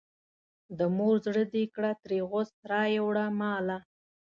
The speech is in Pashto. د مور زړه دې کړه ترې غوڅ رایې وړه ماله.